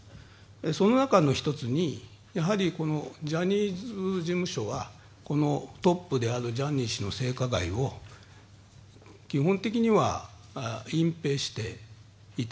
その中の一つに、ジャニーズ事務所はトップであるジャニー氏の性加害を基本的には隠蔽していた。